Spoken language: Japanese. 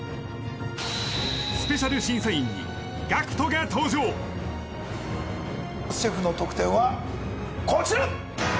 スペシャル審査員にＧＡＣＫＴが登場シェフの得点はこちら！